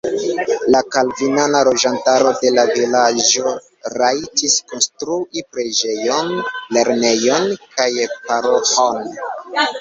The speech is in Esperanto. La kalvinana loĝantaro de la vilaĝo rajtis konstrui preĝejon, lernejon kaj paroĥon.